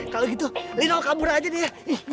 kalau gitu lino kabur aja dia